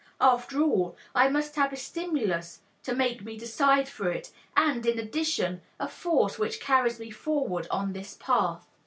After all, I must have a stimulus to make me decide for it, and, in addition, a force which carries me forward on this path.